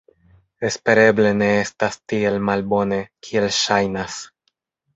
Espereble ne estas tiel malbone, kiel ŝajnas.